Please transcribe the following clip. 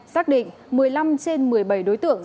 xác định một mươi năm trên một mươi bảy đối tượng